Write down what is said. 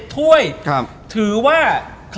ถ้วยถือว่า